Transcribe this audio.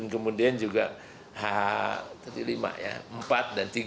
kemudian juga h empat dan h tiga